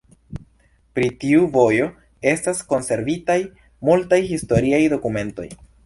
Pri tiu vojo estas konservitaj multaj historiaj dokumentoj.